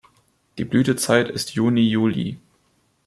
Die Blütezeit ist Juni–Juli.